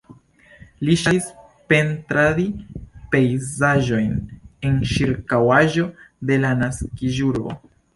Li ŝatis pentradi pejzaĝojn en ĉirkaŭaĵo de la naskiĝurbo.